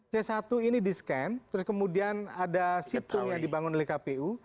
c satu ini di scan terus kemudian ada situng yang dibangun oleh kpu